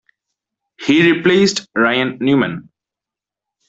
He replaced Ryan Newman.